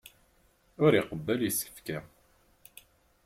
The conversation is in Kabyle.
Ur iqebbel isefka.